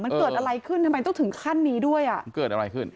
มันเกิดอะไรขึ้นทำไมต้องถึงขั้นนี้ด้วยอ่ะมันเกิดอะไรขึ้น